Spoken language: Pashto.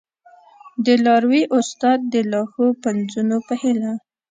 د لاروي استاد د لا ښو پنځونو په هیله!